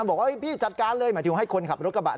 บอกว่าพี่จัดการเลยหมายถึงให้คนขับรถกระบะ